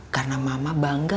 karena mama bangga